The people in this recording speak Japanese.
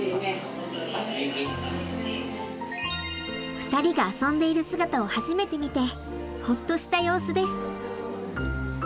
ふたりが遊んでいる姿を初めて見てホッとした様子です。